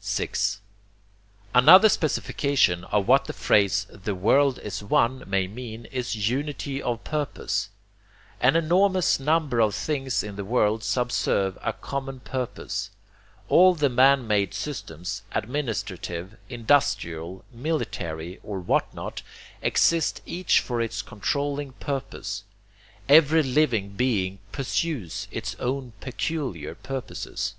6. Another specification of what the phrase 'the world is One' may mean is UNITY OF PURPOSE. An enormous number of things in the world subserve a common purpose. All the man made systems, administrative, industrial, military, or what not, exist each for its controlling purpose. Every living being pursues its own peculiar purposes.